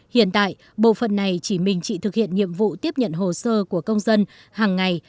hiện tại bộ phận này chỉ mình chỉ thực hiện nhiệm vụ tiếp nhận hồ sơ của công dân hàng ngày